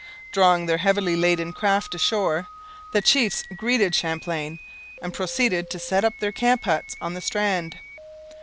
Drawing their heavily laden craft ashore, the chiefs greeted Champlain and proceeded to set up their camp huts on the strand.